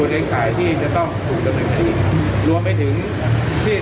ท่านค้านี้ค่ะฉันก็เริ่มว่าขอตอบตรูต่ออยู่แล้ว